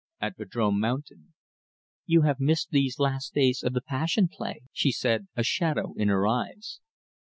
"At Vadrome Mountain." "You have missed these last days of the Passion Play," she said, a shadow in her eyes.